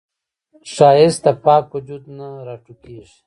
ښایست د پاک وجود نه راټوکېږي